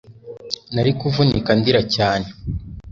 Nari kuvunika ndira cyane